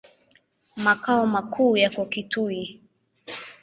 Makao makuu yako Kitui.